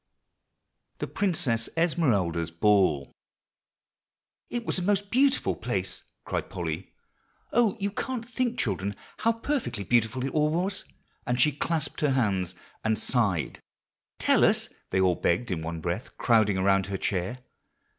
THE PRINCESS ESMERALDA'S BALL. "It was a most beautiful place," cried Polly. "Oh! you can't think, children, how perfectly beautiful it all was;" and she clasped her hands and sighed. "Tell us," they all begged in one breath, crowding around her chair.